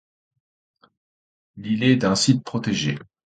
L'îlet est un site protégé.